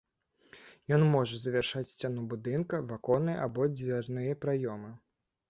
Ён можа завяршаць сцяну будынка, ваконныя або дзвярныя праёмы.